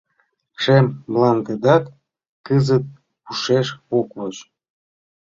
«Шем мландетат» кызыт ушеш ок воч.